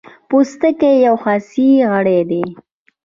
پوستکی یو حسي غړی دی.